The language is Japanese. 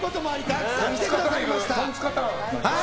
たくさん来てくださいました。